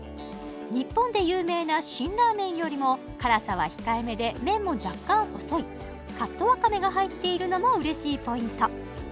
日本で有名な辛ラーメンよりも辛さは控えめで麺も若干細いカットワカメが入っているのも嬉しいポイント